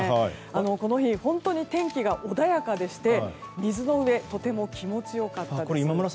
この日、本当に天気が穏やかでして水の上とても気持ち良かったです。